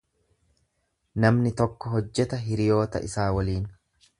Namni tokko hojjeta hiriyoota isaa waliin.